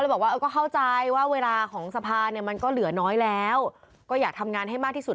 บอกว่าก็เข้าใจว่าเวลาของสภาเนี่ยมันก็เหลือน้อยแล้วก็อยากทำงานให้มากที่สุด